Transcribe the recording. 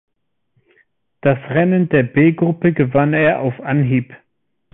Das Rennen der B-Gruppe gewann er auf Anhieb.